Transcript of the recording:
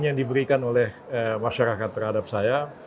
yang diberikan oleh masyarakat terhadap saya